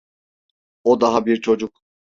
O daha bir çocuk.